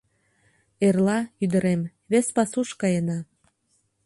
— Эрла, ӱдырем, вес пасуш каена.